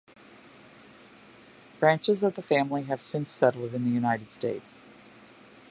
Branches of the family have since settled in the United States.